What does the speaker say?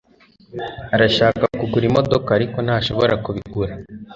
Arashaka kugura imodoka ariko ntashobora kubigura